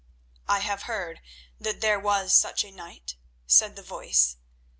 "I have heard that there was such a knight," said the voice.